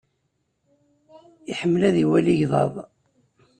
Iḥemmel ad iwali igḍaḍ.